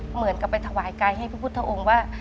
เหมือนกับไปถวายกายให้พระพุทธองค์ว่า